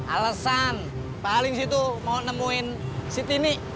alasan pak halim situ mau nemuin si tini